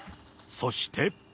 そして。